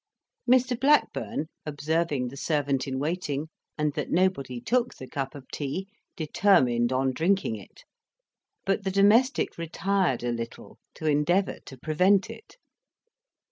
Mr. Blackburn, observing the servant in waiting, and that nobody took the cup of tea, determined on drinking it; but the domestic retired a little, to endeavour to prevent it.